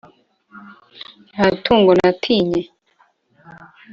nta tungo natinye